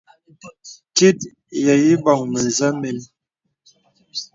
Tit yə îbɔ̀ŋ mə̄zɛ̄ mēn.